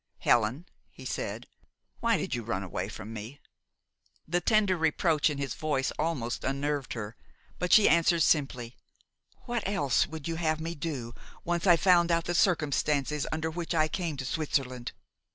"Helen," he said, "why did you run away from me?" The tender reproach in his voice almost unnerved her; but she answered simply, "What else would you have me do, once I found out the circumstances under which I came to Switzerland?"